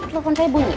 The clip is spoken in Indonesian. telepon kayak bunyi